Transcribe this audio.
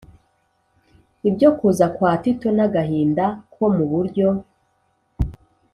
Ibyo kuza kwa Tito n agahinda ko mu buryo